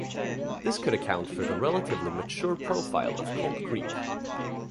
This could account for the relatively mature profile of Cold Creek.